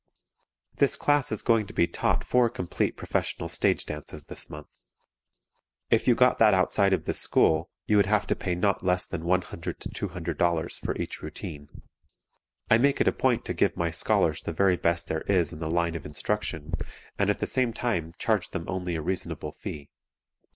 This class is going to be taught four complete professional stage dances this month. If you got that outside of this school you would have to pay not less than $100 to $200 for each routine. I make it a point to give my scholars the very best there is in the line of instruction, and at the same time charge them only a reasonable fee.